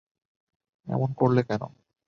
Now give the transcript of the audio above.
এমন করলে কেন?